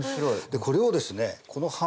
これをですねこの。